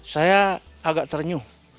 saya agak ternyuh